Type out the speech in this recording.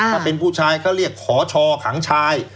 ถ้าเป็นผู้ชายเขาเรียกขอชอขังชาย